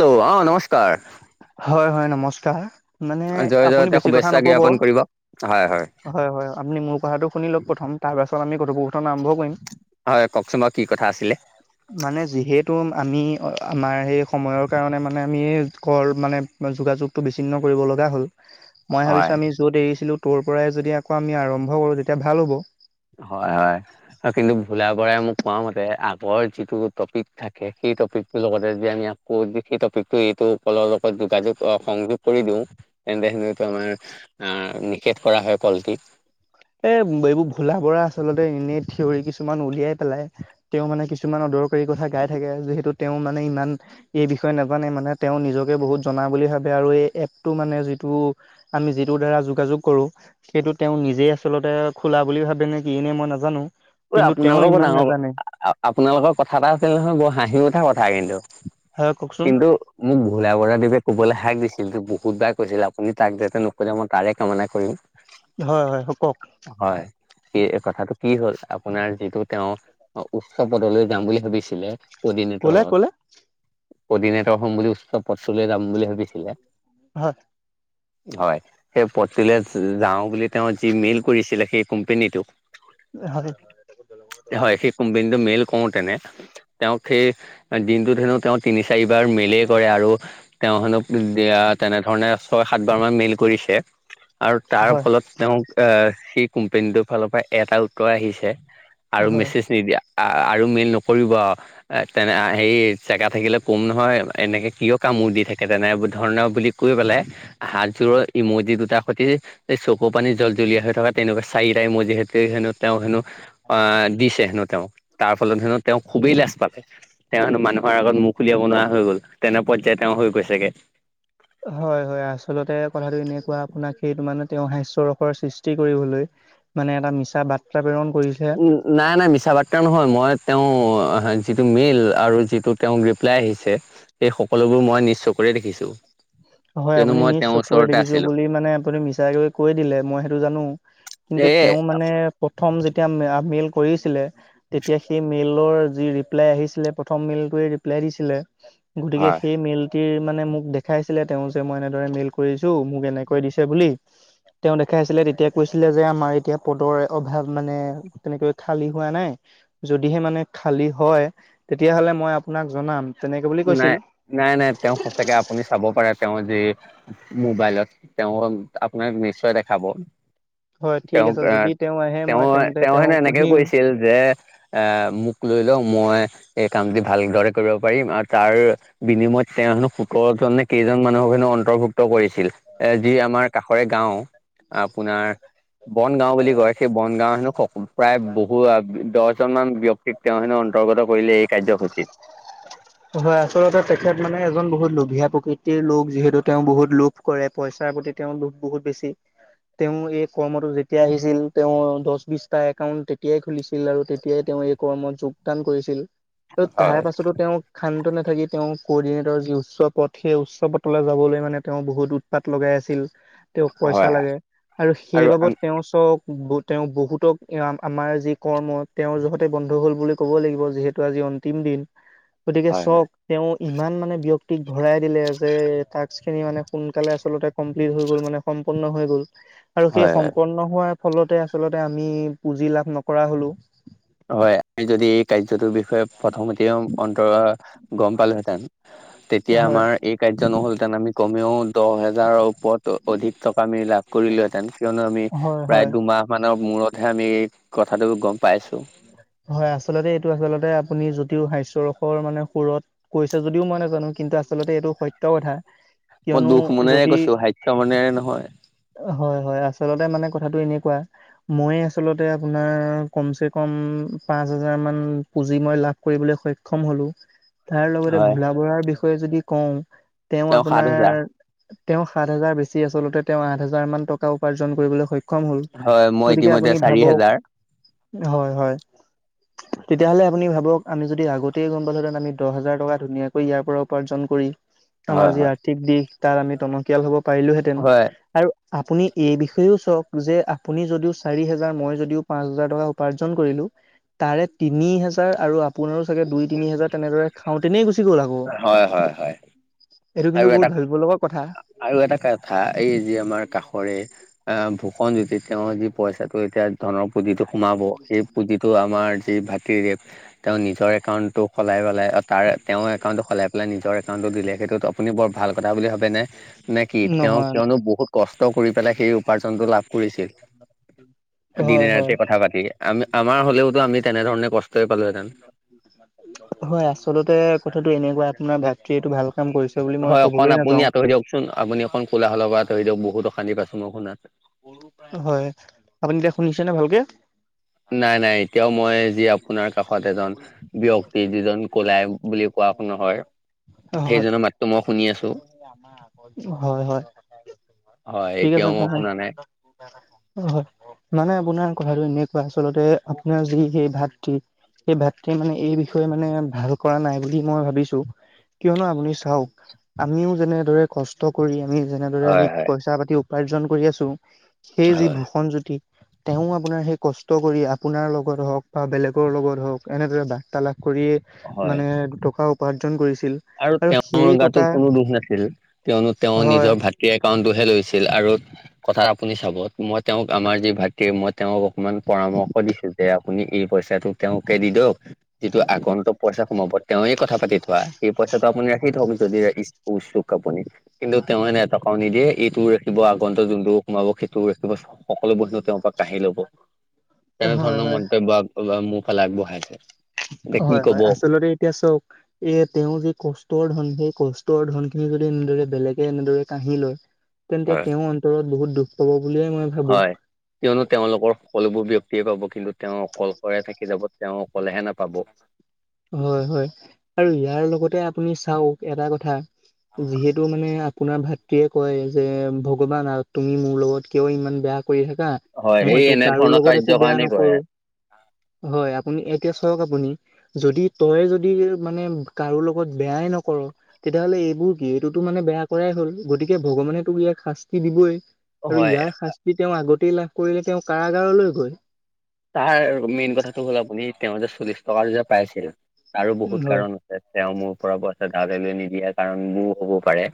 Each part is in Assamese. হেল্ল' অ নমস্কাৰ। হয়, হয় নমস্কাৰ মানে জয় আপুনি জয়তে বেছি কথা শুভেচ্ছা নকব। জ্ঞাপন কৰিব হয়, হয় আপুনি মোৰ কথাটো শুনি লওক প্ৰথম তাৰ পাছত আমি কথোপকথন আৰম্ভ কৰিম হয় কওকচোন বাৰু কি কথা আছিলে? মানে যিহেতু আমি আমাৰ সেই সময়ৰ কাৰণে মানে আমি কল মানে যোগাযোগটো বিচ্ছিন্ন কৰিব লগা হ'ল। মই হয় ভাবিছোঁ আমি য'ত এৰিছিলোঁ ত' পৰাই যদি আকৌ আমি আৰম্ভ কৰোঁ তেতিয়া ভাল হ'ব। হয় হয়। আৰু কিন্তু ভোলা বৰাই মোক কোৱা মতে আগৰ যিটো টপিক থাকে সেই টপিকটোৰ লগতে যে আমি কৌত যি হিত টপিক এইটো কলৰ লগত যোগাযোগ সংযোগ কৰি দিওঁ তেন্তে এইটো আমাৰ অ নিষেধ কৰা হয় কলটি এ এইবোৰ ভোলা বৰা আচলতে এনেই থিয়ৰি কিছুমান উলিয়াই পেলাই। তেওঁ মানে কিছুমান অদৰকাৰী কথা গাই থাকে যিহেতু তেওঁ মানে ইমান এই বিষয়ে নাজানে মানে তেওঁ নিজকে বহুত জনা বুলি ভাবে আৰু এই এপটো মানে যিটো আমি যিটো দ্বাৰা যোগাযোগ কৰো সেইটো তেওঁ নিজে আছে। আচলতে খোলা বুলি ভাবে নে কি নে মই নাজানো। ঐ, কিন্তু তেওঁ আপোনালোকৰ বৰ ইমান ডাঙৰ নাজানে আপোনালোকৰ কথা এটাহ আছিল নহয় বৰ হাঁহি উঠা কথা কিন্তু। হয় কওকচোন? কিন্তু মোক ভোলা বৰা দেৱে ক'বলৈ হাক দিছিল বহুতবাৰ কৈছিল আপুনি তাক যাতে নকলে মই তাৰে কামনা কৰিম। হয় হয় কওক। হয়, এই কথাটো কি হ'ল। আপোনাৰ যিটো তেওঁ উচ্চ পদলৈ যাম বুলি ভাবিছিলে ক'লে অৰ্ডিনেটৰত। ক'লে অডিনেটৰ হ'ম বুলি উচ্চ পদটোলে যাম বুলি ভাবিছিলে। হয়। হয়, সেই পথটোলৈ যাওঁ বুলি তেওঁ যি মেইল কৰিছিলে সেই কোম্পেনীটোক হয়। হয় সেই কোম্পানীটো মেইল কৰো তেনে। তেওঁক সেই দিনটোত হেনো তেওঁ তিনি চাৰিবাৰ মিলেই কৰে আৰু। তেওঁ হেনো দিয়া তেনেধৰণে ছয় সাত বাৰ মান মেইল কৰিছে। আৰু তাৰ হয় ফলত তেওঁক আহ সেই কোম্পানীটোৰ ফালৰ পৰা এটা উত্তৰ আহিছে। আৰু হয় মেছেজ নিদিয়া আৰু মেইল নকৰিব এ তেনে হে। জেগা থাকিলে ক'ম নহয় এনেকে কিয় কামোৰ দি থাকে তেনে ধৰণৰ বুলি কৈ পেলাই। হাতযোৰ ইমজি দুটাৰ সৈতি। এই চকু পানী জল জ্বলীয়া হৈ থকা তেনেকুৱা চাৰিটা ইমজি হেড কৰি হেনো তেওঁ হেনো। আ দিছে হেনো তেওঁ, তাৰ ফলত হেনো তেওঁ খুবেই লাজ পালে। তেওঁ হেনো মানুহৰ আগত মুখ উলিয়াব নোৱৰা হৈ গ'ল, তেনে পৰ্য্যায় তেওঁ হৈ গৈছেগে। হয় হয়, আচলতে কথাটো এনেকুৱা আপোনাক সেইটো মানে তেওঁ হাস্যৰসৰ সৃষ্টি কৰিবলৈ মানে এটা মিছা বাত্ৰাপ্ৰেৰণ উম, নাই নাই মিছা বাৰ্তা নহয় মই তেওঁ, যিটো মেইল আৰু যিটো তেওঁ ৰিপ্লাই আহিছে সেই সকলোবোৰ মই নিজ চকুৰে দেখিছোঁ। হয়, কিয়নো আপুনি মই নিজ তেওঁৰ চকুৰে ওচৰতে দেখিছো আছিলো বুলি মানে আপুনি মিছাকে কৈ দিলে মই সেইটো জানো। এ কিন্তু তেওঁ মানে, প্ৰথম যেতিয়া মেইল কৰিছিলে, তেতিয়া সেই মেইল [unintelligible] যি ৰিপ্লাই আহিছিলে প্ৰথম মেইল কৰি ৰিপ্লাই দিছিলে, গতিকে হয়। সেই মেইলটো কি মানে মোক দেখাইছিলে তেওঁ যে মই এনেদৰে মেইল কৰিছো মোক এনেকৈ দিছে বুলি। তেওঁ দেখাই আছিলে তেতিয়া কৈছিলে যে আমাৰ এতিয়া পদৰ অভাৱ, মানে তেনেকৈ খালী হোৱা নাই। যদিহে মানে খালী হয়, তেতিয়াহ'লে মই আপোনাক জনাম। তেনেকে বুলি কৈছিল। নাই, নাই নাই, তেওঁ সঁচাকে আপুনি চাব পাৰে তেওঁ যি মোবাইলত, তেওঁ আপোনাক নিশ্চয় দেখাব। হয় ঠিক তেওঁক আছে এহ, যদি আহে মই তেওঁ, তেন্তে তেওঁ হেনে তেওঁক এনেকে সুধিম। কৈছিল যে এ, মোক লৈ যাওঁ মই, এই কামটি ভালদৰে কৰিব পাৰিম আৰু তাৰ, বিনিময়ত তেওঁ হেনো সোতৰ জন নে কেইজন মানুহক হেনো অন্তৰ্ভুক্ত কৰিছ [unintelligible] এ যি আমাৰ কাষৰে গাওঁ, আপোনাৰ বন গাওঁ বুলি কয়, সেই বন গাওঁ হেনো, প্ৰায় বহু দহ কিছুমান ব্যয়ক্তিক তেওঁহেনো অন্তৰ্গত কৰিলে এই কাৰ্যসূচীত। হয়, আচলতে তেখেত মানে এজন বহুত লোভীয়া প্ৰকৃতিৰ লোক যিহেতু তেওঁ বহুত লোক কৰে পইচাৰ প্ৰতি তেওঁৰ লোভ বহুত বেছি। তেওঁ এই কৰ্মটো যেতিয়া আহিছিল তেওঁৰ দহ বিশটা একাউণ্ট তেতিয়াই খুলিছিল আৰু তেতিয়াই তেওঁ এই কৰ্মত যোগদান কৰিছিল, আৰু হয় তাৰ পাছতো তেওঁ খান্ত নাথাকি তেওঁ ক'ৰ্ডিনেটৰ যি উচ্চ পথ সেই উচ্চ পথলৈ যাবলৈ মানে তেওঁ বহুত উ পাত লগাই আছিল, তেওঁক পইচা হয় লাগে, আৰু সেইবাবদ তেওঁ চক তেওঁ বহুতক আমাৰ যি কৰ্ম তেওঁৰ যহতে বন্ধ হ'ল বুলি ক'ব লাগিব যিহেতু আজি তিন দিন। গতিকে হয় হয় চব তেওঁ ইমান মানে ব্যক্তিক ভৰাই দিলে টাস্কখিনি মানে সোনকালে আচলতে কমপ্লিট হৈ গল মানে সম্পূৰ্ণ হৈ গ'ল, আৰু সেই হয় সম্পন্ন হোৱাৰ ফলতে আচলতে আমি পুঁজি লাভ নকৰা হলো। হয়, আমি যদি এই কাৰ্যটোৰ বিষয়ে প্ৰথমতে অন্তৰ গম পালাহেঁতেন, তেতিয়া হয় আমাৰ এই কাৰ্য নহ'লহেঁতেন আমি কমেও দহ হেজাৰৰ ওপৰত অধিক টকা আমি লাভ কৰিলোহেঁতেন। কিয়নো আমি, হয় প্ৰায় হয় দুমাহ মানৰ মূৰতহে আমি এই কথাটো গম পাইছোঁ। হয় আচলতে এইটো আচলতে আপুনি যদিও হাচ্যৰসৰ মানে সুৰত কৈছে যদিও মই নাজানো কিন্তু আচলতে এইটো সত্য কথা। মই কিয়নো দুখ মনেৰে যদি কৈছো, হাস্য মনেৰে নহয়। হয়, হয়, আচলতে মানে কথাটো এনেকুৱা, মই আচলতে আপোনাৰ কমচে কম পাঁচ হাজাৰ মান পুঁজি মই লাভ কৰিবলৈ সক্ষম হলো। তাৰ লগতে হয় ভোলা বঢ়াৰ বিষয়ে যদি কওঁ, তেওঁ সাত আপোনাৰ হেজাৰ তেওঁ সাত হাজাৰ বেছি আচলতে তেওঁ আঠ হাজাৰ মান টকা উপাৰ্জন কৰিবলৈ স ক্ষম হল, হয় মই গতিকে ইতিমধ্যে আপুনি চাৰি ভাবক, হেজাৰ হয়, হয়, তেতিয়াহ'লে আপুনি ভাবক, আমি যদি আগতেই গম পালোঁতেন আমি দহ হাজাৰ টকা ধুনীয়াকৈ ইয়াৰ পৰা উপাৰ্জন কৰি আমাৰ হয় যি হয় আৰ্থিক দিশ তাত আমি টনকিয়াল হ'ব পাৰিলোহেঁতেন, হয় আৰু আপুনি এই বিষয়েও চাওঁক যে আপুনি যদিও চাৰি হাজাৰ মই যদিও পাঁচ হাজাৰ টকা উপাৰ্জন কৰিলোঁ, তাৰে তিনি হাজাৰ আৰু আপুনাৰোঁ চাগে দুই তিনি হাজাৰ তেনেদৰে খাওঁ তেনেই গুচি গ'ল আকৌ। হয় হয় হয় এইটো আৰু কিন্তু বহুত এটা ভাবিব লগা কথা। আৰু এটা কাথা, এই যে আমাৰ কাষৰে আহ ভূষণ জ্যোতি তেওঁৰ যি পইচাটো এতিয়া ধনৰ পুঁজিটো সোমাব, সেই পুঁজিটো আমাৰ যি ভাতিৰে তেওঁ নিজৰ একাউণ্টটো সলাই পেলাই, তাৰ তেওঁৰ একাউণ্টটো সলাই পেলাই নিজৰ একাউণ্টটো দিলে, সেইটো বৰ ভাল কথা বুলি ভাবে নে নেকি? তেওঁ নহয় ন কিয়নো বহুত কষ্ট কৰি পেলাই সেই উপাৰ্জনটো লাভ কৰিছিল। হয় দিনে হয় ৰাতি কথা পাতি। আমি আমাৰ হলেওতো আমি তেনেধৰণে কষ্টই পালোহেতেন। হয় আচলতে কথাটো এনেকুৱা, আপোনাৰ ভাতৃয়েটো ভাল কাম কৰিছ হয় অকণ আপুনি আঁতৰি দিয়কচোন, আপুনি অকণ কোলাহলৰ পৰা আঁতৰি দিয়ক। বহুত অশান্তি পাইছো মই শুনা। হয়, আপুনি এতিয়া শুনিছে ন ভালকে? নাই নাই এতিয়াও মই যি আপোনাৰ কাষত এজন ব্যয়ক্ত যিজন কলাই বুলি কোৱা নহয়, হয় সেইজনৰ মাততো মই শুনি আছো। হয় হয়। হয় ঠিক আছে এতিয়াও মই, শুনা নাই অ হয় মানে আপোনাৰ কথাটো এনেকুৱা, আচলতে আপোনাৰ যি সেই ভাট্ৰি, সেই ভাট্ৰিয়ে মানে এই বিষয়ে মানে ভাল কৰা নাই বুলি মই ভাবিছো, কিয়নো' আপুনি চাওক আমিও যেনেদৰে কষ্ট কৰি, আমি যেনেদৰে হয় আমি হয় পইচা পাতি উপাৰ্জন কৰি আছো। সেই যি হয় ভূষণজ্যোতি তেওঁ আপোনাৰ সেই কষ্ট কৰি, আপোনাৰ লগত হওক বা বেলেগৰ লগত হওক, এনেদৰে বাৰ্তালাপ কৰিয়েই হয় মানে দুটকা উপাৰ্জন কৰিছিল আৰু তেওঁৰ সেই টক গাতো কোনো দুখ নাছিল। কিয়নো তেওঁ হয় নিজৰ ভা বাকী একাউণ্ট টো হে লৈছিল আৰু কথাত আপুনি চাব' মই আমাৰ যি ভা তে মই তেওঁক অকমান পৰামৰ্শ দিছো যে, আপুনি এই পইচাটো তেওঁক হে দি দিয়ক, যিটো আগন্তু পইচা সোমাব তেওঁৱে কথা পাতি থোৱা। সেই পইচাটো আপুনি ৰাখি থওক, যদি উছুক আপুনি। কিন্তু তেওঁ এনে এটকাও নিদিয়ে, এইটোও ৰাখিব আগন্তু যোনটো সোমাব সেইটোও ৰাখিব সকলো বন্ধু তেওঁৰ পৰা কাঢ়ি লব, হয় তেনেধৰণৰ হয় ম বাৰ্তালাপ মোৰ ফালে আগবঢ়াইছে। এতিয়া কি হয় কব হয় আচলতে এতিয়া চওক, এ তেওঁৰ যি কষ্টৰ ধন, সেই কষ্টৰ ধন খিনি যদি এনেদৰে বেলেগে এনেদৰে কাঢ়ি লয়। তেন্তে হয় তেওঁৰ অন্তৰত বহুত দুখ পাব বুলিয়ে মই ভাবো হয় কিয়নো তেওঁলোকৰ সকলোবোৰ বয়ক্তিয়ে পাব, কিন্তু তেওঁ অকলশৰে থাকি যাব তেওঁ অকলেহে নোপাব। হয় হয় আৰু ইয়াৰ লগতে আপুনি চাওক, এটা কথা যিহেতু মানে আপোনাৰ ভাতৃয়ে কয় যে, ভগৱান আল তুমি মোৰ লগত কিয় ইমান বেয়া কৰি থাকা, হয় সেই মইতো কাৰো এনেধৰণৰ লগত কাৰ্যৰ একো বেয়া কাৰণে কৰে নকৰো। হয় আপুনি এতিয়া চওক আপুনি। যদি তই যদি মানে কাৰো লগত বেয়াই নকৰ, তেতিয়াহ'লে এইবোৰ কি? এইটোতো মানে বেয়া কৰাই হ'ল, গতিকে' ভগৱানে তোক ইয়াক শাস্তি দিবই। আৰু হয়। ইয়াৰ শাস্তি তেওঁ আগতেই লাভ কৰিলে তেওঁ কাৰাগাৰলৈ গৈ। তাৰ মেইন কথাটো হ'ল আপুনি, তেওঁ যে চল্লিশ টকাটো যে পাইছিল, তাৰো বহুত হয় কাৰণ তেওঁ মোৰ পৰা পইচা ধাৰলে লৈ নিদিয়ে হ'ব পাৰে।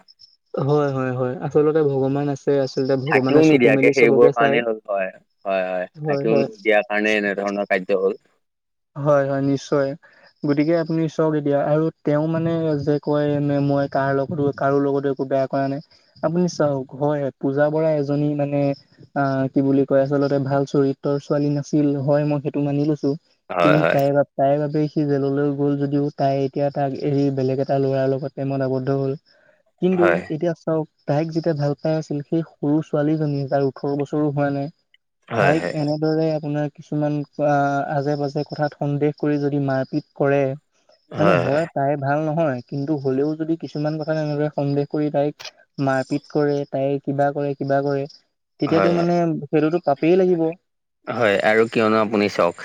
হয় হয় হয়। আচলতে ভগৱান আছে তে আচলতে ভগৱানে থাকিও চকু মেলি নিদিয়াকে, চবকে সেইবোৰৰ চাই কাৰণেই হ'ল হয়। হয় হয়, থাকিও দিয়াৰ কাৰণে এনেধৰণৰ কাৰ্য হ'ল। হয় হয়, নিশ্চয়। গতিকে আপুনি চক এতিয়া আৰু তেওঁ মানে যে কয় মই কাৰ লগতো কাৰো লগত একো বেয়া কৰা নাই। আপুনি চাওক হয়, পূজা বৰা এজনী মানে অ কি বুলি কয় আচলতে ভাল চৰিত্ৰৰ ছোৱালী নাছিল, হয় মই সেইটো মানি লৈছো। হয় কিন্ত হয় তাইৰ তাইৰ বাবে সি জেললৈ গ'ল যদিও তাই এতিয়া তাক এৰি বেলেগ এটা ল'ৰাৰ লগত প্ৰেমত আৱদ্ধ হ'ল। কিন্তু হয়। এতিয়া তাইক যেতিয়া ভাল পাই আছিল সেই সৰু ছোৱালীজনী যাৰ ওঠৰ বছৰো হোৱা নাই। হয় হয় তাইক হয় এনেদৰে আপোনাৰ কিছুমান কৰা আজে-বাজে কথাত সন্দেহ কৰি যদি মাৰপিট কৰে, মানে হয় তাই ভাল নহয়, কিন্তু হ'লেও যদি কিছুমান কথাত এনেদৰে সন্দেহ কৰি তাইক মাৰপিট কৰে তাই কিবা কৰে কিবা কৰে, তেতিয়াতো হয় মানে সেইটোতো পাপেই লাগিব। হয় আৰু কিয়নো আপুনি চাওক।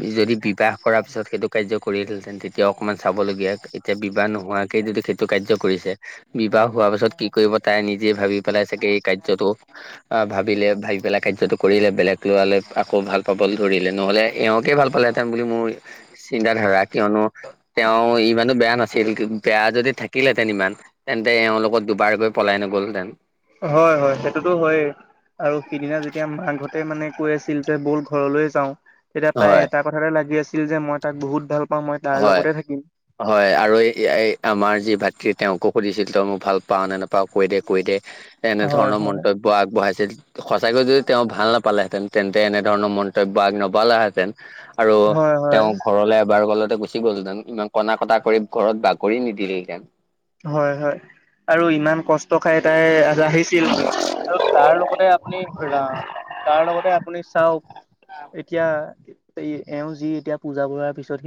সি যদি বিবাহ কৰাৰ পিছত সেইটো কাৰ্য কৰিলহেতেন তেতিয়াও অকমান চাবলগীয়া এতিয়া বিবাহ নোহোৱাকেই যদি সেইটো কাৰ্য কৰিছে। বিবাহ হোৱাৰ পাছত কি কৰিব তাই নিজেই ভাবি পেলাই চাগে এই কাৰ্যটো ভাবিলে ভাবি পেলাই কাৰ্যটো কৰিলে বেলেগ ল'ৰালে আকৌ ভাল পাবলৈ ধৰিলে। নহ'লে এওঁকে ভাল পালেহেঁতেন বুলি মুই চিন্তাধাৰা কিয়নো তেওঁ ইমানো বেয়া নাছিল। বেয়া যদি থাকিলহেঁতেন ইমান তেন্তে এওঁ লগত দুবাৰ গৈ পলাই নগলহেঁতেন। হয়, হয় সেইটোতো হয়েই আৰু সিদিনা যেতিয়া মাকহঁতে মানে কৈ আছিল যে বল ঘৰলৈ যাওঁ, তেতিয়া তাই হয় এটা কথাতে লাগি আছিল যে মই তাক বহুত ভাল পাও মই তাৰ হয় লগতে থাকিম। হয় আৰু এই এই আমাৰ যি ভাতৃ তেওঁকো সুধিছিল তই মোক ভাল পাৱ নে নাপাৱ কয় দে, কয় দে। হয় এনেধৰণৰ হয়। মন্তব্য আগবঢ়াইছিল। সঁচাকৈ যদি তেওঁ ভাল নাপালেহেঁতেন তেন্তে এনেধৰণৰ মন্তব্য আগ নবঢ়ালেহেঁতেন। আৰু হয় হয় তেওঁ ঘৰলৈ এবাৰ গ'লে তেওঁ গুচি গ'লহেঁতেন। ইমান কন্দা-কটা কৰি ঘৰত বা কৰি নিদিলহেঁতেন। হয় হয় আৰু ইমান কষ্ট খাই তাই ইয়ালে আহিছিল আৰু তাৰ লগতে আপুনি [unintelligible] তাৰ লগতে আপুনি চাওক এতিয়া এই এওঁ যি এতিয়া পূজা বৰুৱাৰ পিছত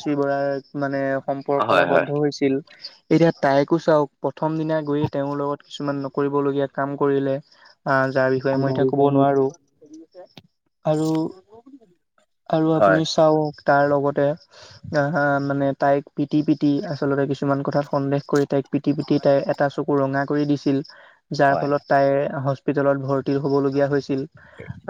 সেই [unintelligible] মানে সম্পৰ্কত হয় হয় আৱদ্ধ হৈছিল। এতিয়া তাইকো চাওক প্ৰথম দিনা গৈয়ে তেওঁ লগত কিছুমান কৰিবলগীয়া কাম কৰিলে আ যাৰ বিষয়ে মই এতিয়া ক'ব নোৱাৰো। আৰু আৰু আপুনি হয় চাওক তাৰ লগতে আ মানে তাইক পিটি পিটি আচলতে কিছুমান কথা সন্দেহ কৰি তাইক পিটি পিটি তাইৰ এটা চকু ৰঙা কৰি দিছিল। যাৰ হয় ফলত তাইৰ হস্পিটেলত ভৰ তি হ'বলগীয়া হৈছিল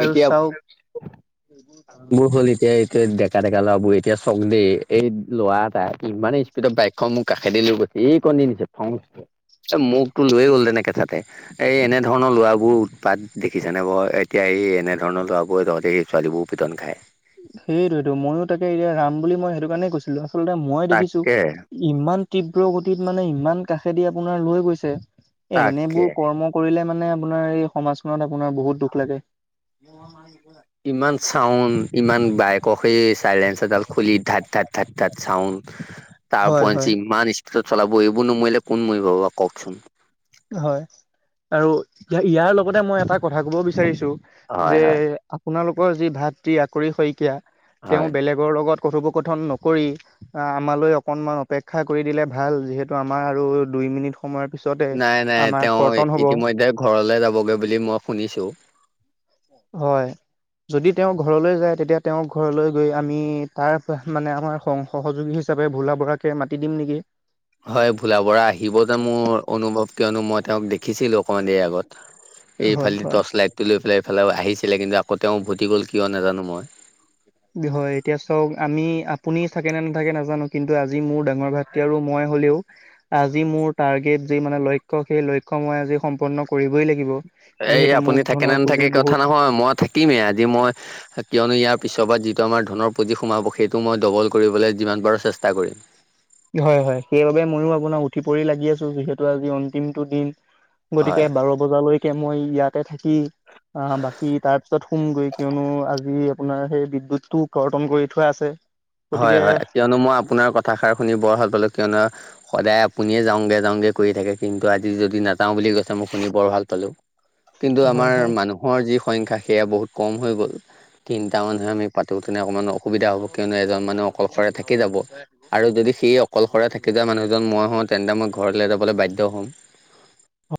আৰু চাওক বোৰ হ'ল এতিয়া এই ডেকা ডেকা ল'ৰাবোৰ এতিয়া চং দেই এই ল'ৰা এটা ইমানেই স্পীডত বাইকখন মোৰ কাষেদি লৈ গৈছে এই কনদি নিছে ফৌ [inaudible] এ মোকতো লৈ গ'ল তেনে কেথাতে এ এনেধৰণৰ ল'ৰাবোৰৰ উৎপাত দেখিছেনে বাৰু এতিয়া এই এনেধৰণৰ ল'ৰাবোৰে [unintelligible] এই ছোৱালীবোৰৰ পিটন খায়। সেইটোৱেটো ময়ো তাকে এইয়া ৰাম বুলি মই এইটো কাৰণে কৈছিলো। আচলতে মই দেখিছো তাকে ইমান তীব্ৰ গতিত মানে ইমান কাষেদি আপোনাৰ লৈ গৈছে। এ তাকে এনেবোৰ কৰ্ম কৰিলে মানে আপোনাৰ এই সমাজখনত আপোনাৰ বহুত দুখ লাগে। ইমান চাউণ্ড, ইমান বাইকৰ সেই চাইলেঞ্চাৰডাল খুলি ধাক-ধাক ধাক-ধাক চাউণ্ড, তাৰ হয় উপৰেঞ্চি হয় ইমান ইছ দত চলাব। এইবোৰ নমৰিলে কোন মৰিব বাৰু কওকচোন। হয় আৰু ইয়াৰ লগতে মই এটা কথা ক'ব বিচাৰিছো। যে হয় হয় আপোনালোকৰ যি ভাতৃ আকুৰি শইকীয়া, তেওঁ হয় বেলেগ গৰ লগত কথোপকথন নকৰি আ আমালৈ অকণমান অপেক্ষা কৰি দিলে ভাল। যিহেতু আমাৰ আৰু দুই মিনিট সময়ৰ পিছতে নাই নাই আমাৰ তেওঁ ই কৰ্তন হ'ব ইতিমধ্যে ঘৰলে যাবগৈ বুলি মই শুনিছোঁ। হয়। যদি তেওঁ ঘৰলৈ যায় তেতিয়া তেওঁ ঘৰলৈ গৈ আমি তাৰ মানে আমাৰ সং সহযোগী হিচাপে ভোলা বোৰাকে মাতি দিম নেকি? হয় ভোলা বোৰা আহিব যে মোৰ অনুভৱ কিয়নো মই তেওঁক দেখিছিলো অকণমান দেৰি আগত। হয় এইফালেদি হয় টৰ্চ লাইটটো লৈ পেলাই এইফালে আহিছিলে কিন্তু আকৌ তেওঁ উভতি গ'ল কিয় নাজানো মই। হয়, এতিয়া চাওঁক আমি আপুনি থাকে নে নাথাকে নাজানো কিন্তু আজি মোৰ ডাঙৰ ভা তে আৰু মই হ'লেও আজি মোৰ টাৰ্গেট যি মানে লক্ষ্য সেই লক্ষ্য মই আজি সম্পূৰ্ণ কৰিবই লাগিব। এই যিহেতু মোক আপুনি থাকে ধনৰ নে নেথাকে পুঁজিৰ কথা বহুত নহয় মই থাকি থাকিমে আজি মই কিয়নো ইয়াৰ পিছৰ বাৰত যিটো আমাৰ ধনৰ পুঁজি সোমাব সেইটো মই ডবল কৰিবলৈ যিমান পাৰোঁ চেষ্টা কৰিম। হয় হয়, সেইবাবে ময়ো আপোনাৰ উঠি পৰি লাগি আছোঁ যিহেতু আজি অন্তিমটো দিন। গতিকে হয় বাৰ বজালৈকে মই ইয়াতে থাকি। আ বাকী তাৰ পিছত শুমগৈ কিয়নো আজি আপোনাৰ সেই বিদ্যুত টো কৰ্তন কৰি থোৱা আছে। [unintelligible] হয় হয়, কিয়নো মই আপোনাৰ কথাষাৰ শুনি বৰ ভাল পালোঁ। কিয়নো সদায় আপুনিয়ে যাওঁগে যাওঁগে কৰি থাকে। কিন্তু আজি যদি নাযাওঁ বুলি কৈছে মই শুনি বৰ ভাল পালোঁ। কিন্তু হয় আমাৰ হয় মানুহৰ যি সংখ্যা সেয়া বহুত কম হৈ গ'ল। তিনটা মানুহে আমি পা তো তোনে অকণমান অসুবিধা হ'ব। কিয়নো এজন মানে অকলশৰে থাকি যাব আৰু যদি সেই অকলশৰে থাকি যোৱা মানুহজন মই হওঁ তেন্তে মই ঘৰলে যাবলে বাধ্য হম।